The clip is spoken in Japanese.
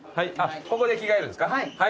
ここで着替えるんですか。